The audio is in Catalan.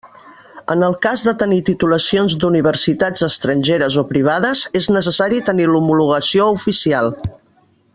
En el cas de tenir titulacions d'Universitats estrangeres o privades és necessari tenir l'homologació oficial.